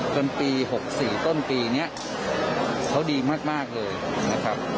เขาดีมากเลยนะครับ